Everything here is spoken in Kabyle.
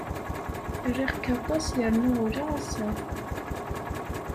Riɣ-k aṭas yernu ula ass-a.